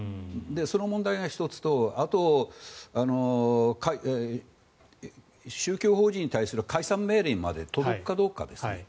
その問題が１つと宗教法人に対する解散命令にまで届くかどうかですね。